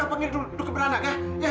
aku panggil dulu keberanak ya